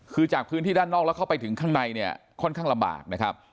คือจากพื้นที่ด้านนอกแล้วเข้าไปถึงข้างในเนี่ยค่อนข้างลำบากนะครับ